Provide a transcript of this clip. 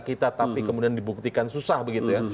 kita tapi kemudian dibuktikan susah begitu ya